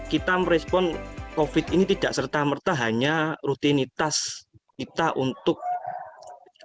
kita merespon covid ini tidak serta merta hanya rutinitas kita untuk mencari